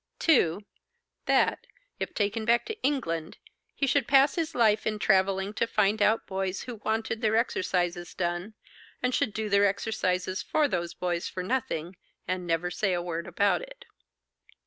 2. That, if taken back to England, he should pass his life in travelling to find out boys who wanted their exercises done, and should do their exercises for those boys for nothing, and never say a word about it.